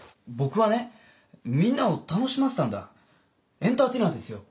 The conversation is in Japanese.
エンターテイナーですよ。